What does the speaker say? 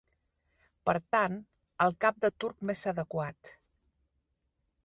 Per tant, el cap de turc més adequat.